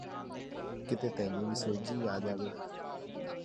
ਕਿਤੇ ਤੈਨੂੰ ਵੀ ਸੋਝੀ ਆ ਜਾਵੇ